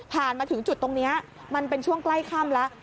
มาถึงจุดตรงนี้มันเป็นช่วงใกล้ค่ำแล้ว